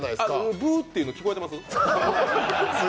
ブーっていうの聞こえてます？